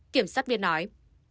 kiểm sát viên nói